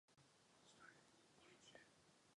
Jednolodní gotický kostel má obdélný půdorys.